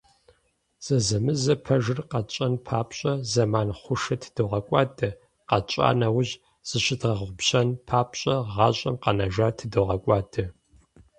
Зэзэмызэ пэжыр къэтщӏэн папщӏэ зэман хъушэ тыдогъэкӏуадэ, къэтщӏа нэужь, зыщыдгъэгъупщэн папщӏэ гъащӏэм къэнэжар тыдогъэкӏуадэ.